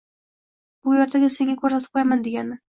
Bu ertaga senga ko'rsatib ko'yaman degani.